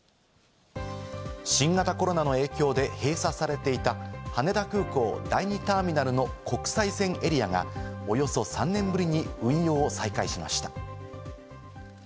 新型コロナの影響で閉鎖されていた羽田空港第２ターミナルの国際線エリアがおよそ３年ぶりに運用を再開しました。